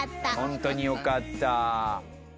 ホントによかった。